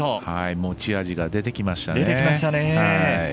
持ち味が出てきましたね。